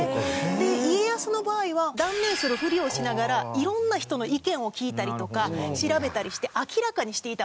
で家康の場合は断念するふりをしながら色んな人の意見を聞いたりとか調べたりして明らかにしていたわけなんですね。